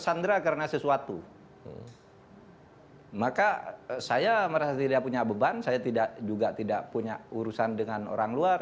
saya tidak punya urusan dengan orang luar